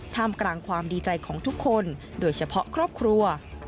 ท่ามกลางความดีใจของทุกคนโดยเฉพาะครอบครัว